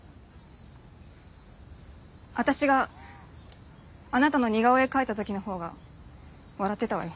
私があなたの似顔絵描いた時の方が笑ってたわよ。